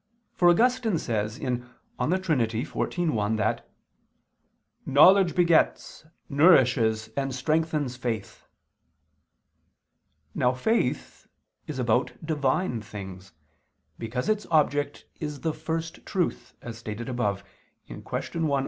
For Augustine says (De Trin. xiv, 1) that "knowledge begets, nourishes and strengthens faith." Now faith is about Divine things, because its object is the First Truth, as stated above (Q. 1, A.